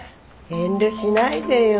遠慮しないでよ。